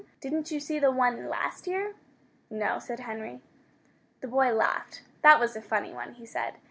Didn't you see the one last year?" "No," said Henry. The boy laughed. "That was a funny one," he said.